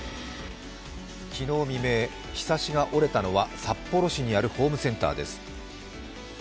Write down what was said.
昨日未明、ひさしが折れたのは札幌市にあるホームセンターです。